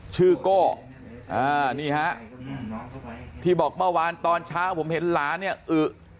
โก้อ่านี่ฮะที่บอกเมื่อวานตอนเช้าผมเห็นหลานเนี่ยอึ